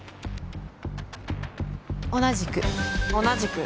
同じく。